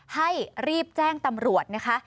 ให้รีบแจ้งตำรวจนะคะ